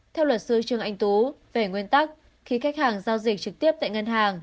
theo luật sư trương anh tú về nguyên tắc khi khách hàng giao dịch trực tiếp tại ngân hàng